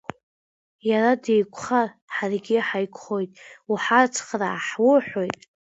Иара деиқәхар ҳаргьы ҳаиқәхоит, уҳацхраа, ҳуҳәоит!